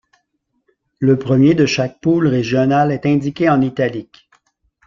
Le premier de chaque poule régionale est indiqué en italique.